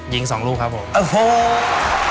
ยิง๒ลูกครับผม